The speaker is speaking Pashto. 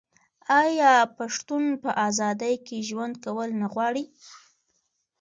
آیا پښتون په ازادۍ کې ژوند کول نه غواړي؟